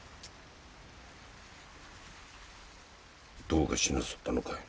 どうかしなすったのかい？